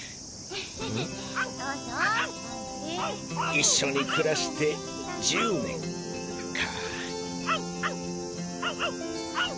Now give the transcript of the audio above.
一緒に暮らして１０年か。